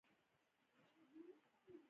د خاورې اصلاح د حاصل د لوړوالي لپاره مهمه ده.